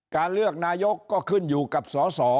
การเลือกนายกก็ขึ้นอยู่กับสส